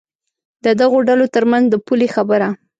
د دغو ډلو تر منځ د پولې خبره.